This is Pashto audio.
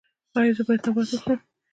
ایا زه باید نبات وخورم؟